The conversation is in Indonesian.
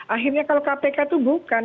akhirnya kalau kpk itu bukan